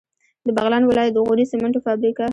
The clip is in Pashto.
د بغلان ولایت د غوري سیمنټو فابریکه